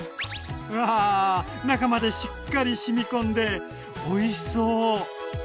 うわ中までしっかり染みこんでおいしそう！